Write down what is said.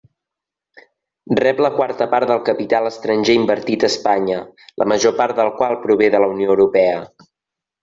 Rep la quarta part del capital estranger invertit a Espanya, la major part del qual prové de la Unió Europea.